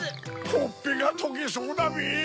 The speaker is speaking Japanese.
ほっぺがとけそうだべ！